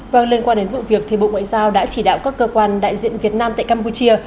vâng liên quan đến vụ việc thì bộ ngoại giao đã chỉ đạo các cơ quan đại diện việt nam tại campuchia